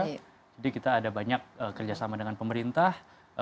jadi kita ada banyak kerjasama dengan pemerintah